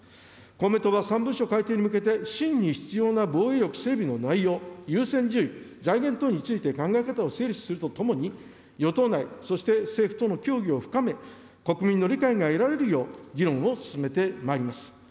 公明党は３文書改定に向けて、真に必要な防衛力整備の内容、優先順位、財源等について考え方を整理するとともに、与党内、そして政府との協議を深め、国民の理解が得られるよう、議論を進めてまいります。